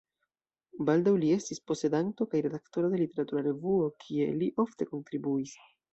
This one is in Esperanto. Baldaŭ li estis posedanto kaj redaktoro de literatura revuo, kie li ofte kontribuis.